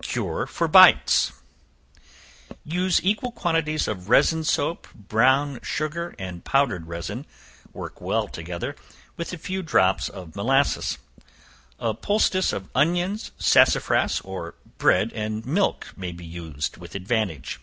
Cure for Bites. Use equal quantities of resin soap, brown sugar, and powdered resin, worked well together, with a few drops of molasses. A poultice of onions, sassafras, or bread and milk may be used with advantage.